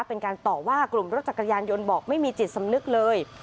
เป็นการต่อว่ากลุ่มรถจักรยานยนต์บอกไม่มีจิตสำนึกเลย